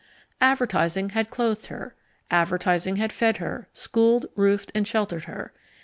Advertising had clothed her, Advertising had fed her, schooled, roofed, and sheltered her.